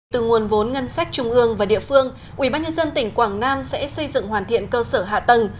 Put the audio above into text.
từ nguồn vốn ngân sách trung ương và địa phương ubnd tỉnh quảng nam sẽ xây dựng hoàn thiện cơ sở hạ tầng